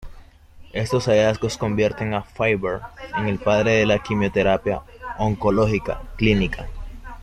Estos hallazgos convierten a Farber en el padre de la quimioterapia oncológica clínica.